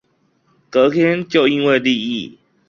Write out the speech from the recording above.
隔天就因為利益